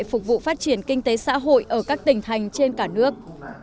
phục vụ phát triển kinh tế xã hội ở các tỉnh thành trên cả nước